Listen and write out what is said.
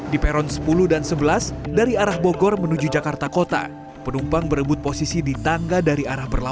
di peron sepuluh dan sebelas dari arah bogor menuju jakarta kota penumpang berebut posisi di tangga dari arah berlalu